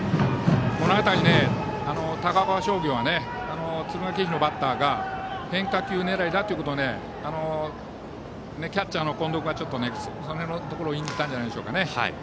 この辺り、高岡商業は敦賀気比のバッターが変化球狙いだということをキャッチャーの近藤君はその辺のところをいったんじゃないでしょうかね。